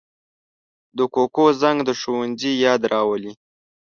د کوکو زنګ د ښوونځي یاد راولي